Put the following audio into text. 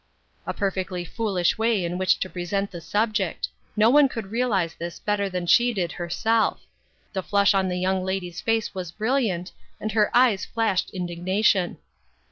A perfectly foolish way in which to present the subject ; no one could realize this better than she did herself. The flush on the young lady's face was brilliant, and her eyes flashed indignation.